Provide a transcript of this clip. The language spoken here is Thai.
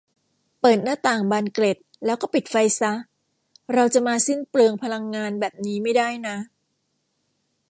เปิดหน้าต่างบานเกล็ดแล้วก็ปิดไฟซะ เราจะมาสิ้นเปลืองพลังงานแบบนี้ไม่ได้นะ